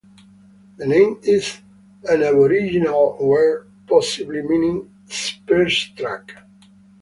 The name is an Aboriginal word possibly meaning "spear track".